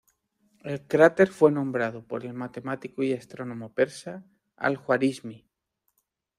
El cráter fue nombrado por el matemático y astrónomo persa Al-Juarismi.